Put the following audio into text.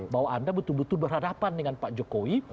bahwa anda betul betul berhadapan dengan pak jokowi